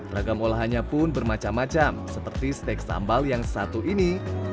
ragam olahannya pun bermacam macam seperti steak sambal yang satu ini